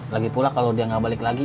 lagi pula kalau dia nggak balik lagi